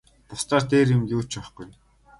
Бусдаар дээр юм юу ч байхгүй.